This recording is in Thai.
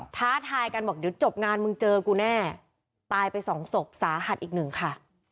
ท้าทายกันบอกเดี๋ยวจบงานมึงเจอกูแน่ตายไปสองศพสาหัสอีกหนึ่งค่ะ